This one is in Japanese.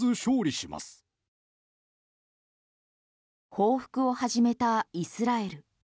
報復を始めたイスラエル。